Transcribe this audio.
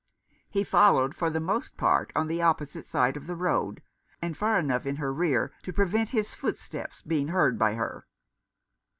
He followed for the most part on the opposite side of the road, and far enough in her rear to prevent his footsteps being heard by her.